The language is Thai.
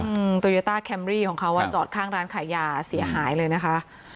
อืมโตโยต้าแคมรี่ของเขาอ่ะจอดข้างร้านขายยาเสียหายเลยนะคะ